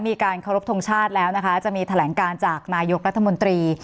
มีการเคารพทงชาติแล้วนะคะจะมีแถลงการจากนายกรัฐมนตรี